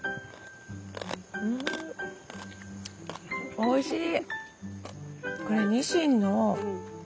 おいしい！